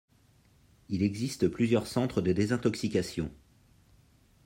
Il existe plusieurs centres de désintoxication.